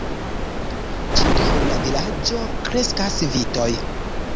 Ĉirkaŭ la vilaĝo kreskas vitoj.